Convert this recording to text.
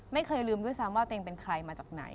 ไม่เคยลืมด้วยซ้ำว่าตัวเองเป็นใครมาจากไหน